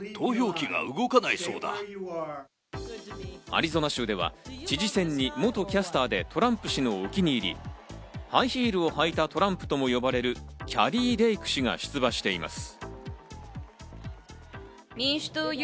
アリゾナ州では知事選に元キャスターでトランプ氏のお気に入り、ハイヒールを履いたトランプとも呼ばれるキャリー・レイク氏が出馬しています。